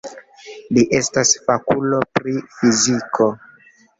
Li estas fakulo pri fiziko.